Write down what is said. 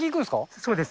そうです。